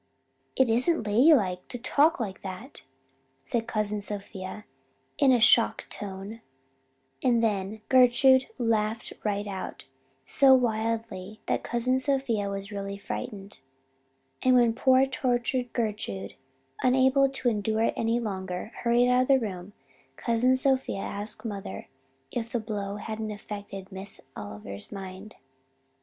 "'It isn't ladylike to talk like that,' said Cousin Sophia in a shocked tone; and then Gertrude laughed right out, so wildly that Cousin Sophia was really frightened. And when poor tortured Gertrude, unable to endure it any longer, hurried out of the room, Cousin Sophia asked mother if the blow hadn't affected Miss Oliver's mind.